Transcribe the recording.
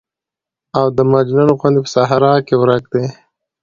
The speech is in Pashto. او د مجنون غوندې په صحرا کې ورک دى.